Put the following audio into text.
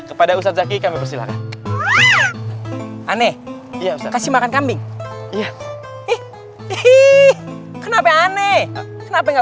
kepada ustadz zaky kami persilahkan aneh kasih makan kambing iya ih ih kenapa aneh kenapa enggak